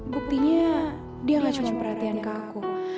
buktinya dia gak cucu perhatian ke aku